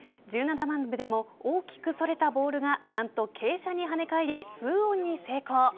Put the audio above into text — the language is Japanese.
１７番でも大きくそれたボールが何と傾斜に跳ね返りツーオンに成功。